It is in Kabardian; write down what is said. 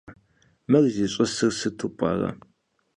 Мыр зищӀысыр сыту пӀэрэ?